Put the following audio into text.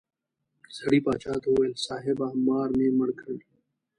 سړي باچا ته وویل صاحبه مار مې مړ کړ.